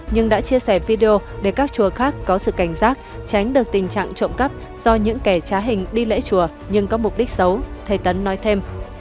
nhưng đã chia sẻ video để các chùa khác có sự cảnh giác tránh được tình trạng trộm cắp do những kẻ trá hình đi lễ chùa nhưng có mục đích xấu thầy tấn nói thêm